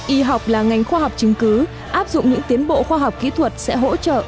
y học là ngành khoa học chứng cứ áp dụng những tiến bộ khoa học kỹ thuật sẽ hỗ trợ